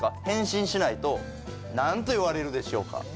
返信しないと何と言われるでしょうか？